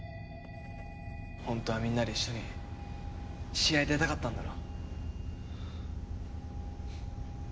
本当はみんなで一緒に試合出たかったんだろ？